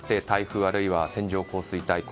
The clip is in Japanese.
台風あるいは線状降水帯